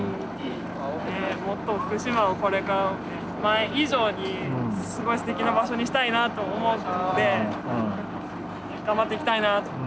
ねえもっと福島をこれから前以上にすごいすてきな場所にしたいなと思うんで頑張っていきたいなあと。